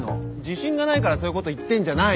自信がないからそういうこと言ってんじゃないの？